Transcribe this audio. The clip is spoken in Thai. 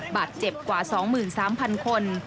บาดเจ็บกว่า๒๓๐๐คน